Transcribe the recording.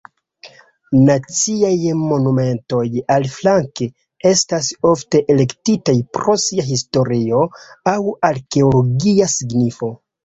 Naciaj Monumentoj, aliflanke, estas ofte elektitaj pro sia historia aŭ arkeologia signifo.